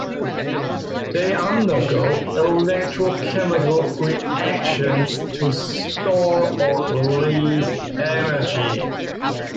They undergo electrochemical reactions to store or release energy.